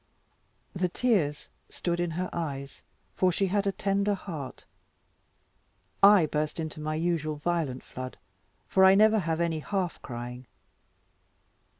The tears stood in her eyes, for she had a tender heart. I burst into my usual violent flood, for I never have any half crying.